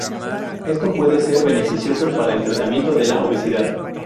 Esto puede ser beneficioso para el tratamiento de la obesidad.